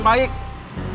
kabar saya kurang baik